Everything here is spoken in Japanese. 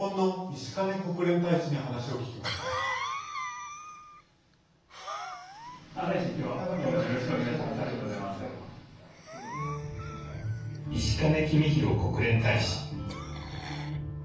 石兼公博国連大使。